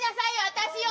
私よ